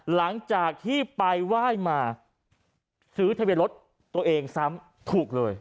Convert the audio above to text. หลังจากที่ไปว่ายมาซื้อทะเบียร์รถตัวเองสามถูกเลย